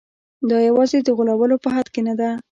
دا یوازې د غولولو په حد کې نه ده.